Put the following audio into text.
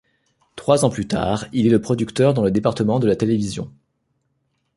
Trois ans plus tard, il est producteur dans le département de la télévision.